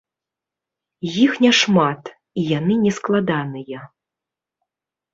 Іх няшмат, і яны нескладаныя.